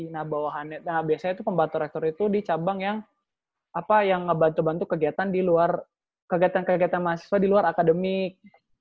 nah bawahannya nah biasanya tuh pembantu rektor itu di cabang yang apa yang ngebantu bantu kegiatan di luar kegiatan kegiatan mahasiswa di luar akademik